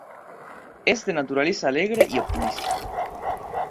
Es de naturaleza alegre y optimista.